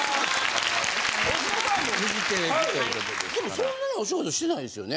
そんなにお仕事してないですよね？